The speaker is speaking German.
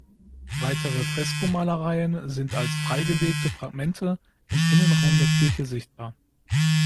Weitere Freskomalereien sind als freigelegte Fragmente im Innenraum der Kirche sichtbar.